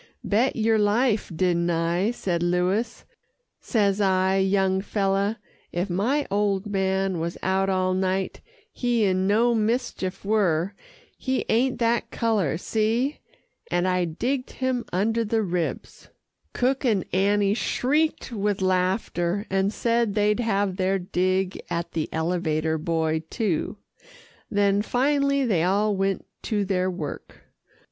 "Bet yer life, didn't I," said Louis. "Says I, 'Young feller, if my old man was out all night, he in no mischief were he ain't that colour see!' and I digged him under the ribs." Cook and Annie shrieked with laughter, and said they'd have their dig at the elevator boy too, then finally they all went to their work.